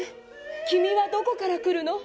君はどこからくるの？